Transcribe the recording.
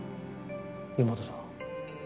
妹さんは。